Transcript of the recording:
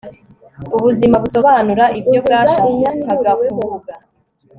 ubuzima busobanura ibyo bwashakaga kuvuga